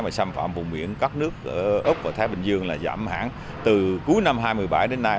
mà xâm phạm vùng biển các nước úc và thái bình dương là giảm hẳn từ cuối năm hai nghìn một mươi bảy đến nay